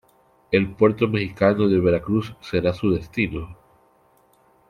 El puerto mexicano de Veracruz será su destino.